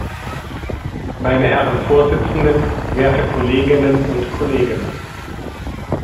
Meine Herren Vorsitzenden, werte Kolleginnen und Kollegen!